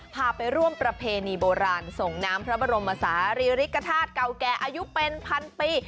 พาไปร่วมประเพณีโบราณส่งน้ำพระบรมศาลีริกฐาตุเก่าแก่อายุเป็นพันปี